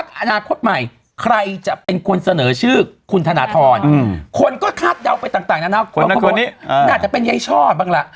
ใครจะเป็นคนเสนอชื่อคุณธนาธรคนก็คาดเดาไปต่างน่าจะเป็นไยช่อบ้างล่ะ